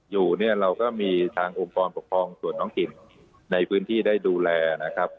อยู่เนี่ยเราก็มีทางองค์กรปกครองส่วนท้องถิ่นในพื้นที่ได้ดูแลนะครับ